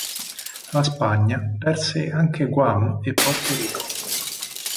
La Spagna perse anche Guam e Porto Rico.